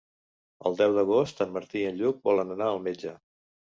El deu d'agost en Martí i en Lluc volen anar al metge.